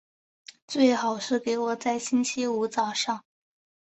最好是给我在星期五早上